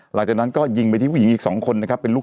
หลังจากนั้นก็ยิงไปที่ผู้หญิงอีกสองคน